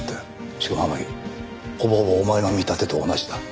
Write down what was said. しかも天樹ほぼほぼお前の見立てと同じだ。